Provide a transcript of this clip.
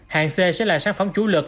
hạng c sẽ là sản phẩm chủ lực